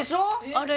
あれ